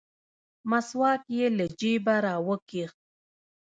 مسواک يې له جيبه راوکيښ.